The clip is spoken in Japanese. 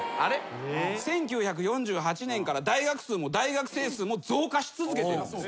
１９４８年から大学数も大学生数も増加し続けてるんです。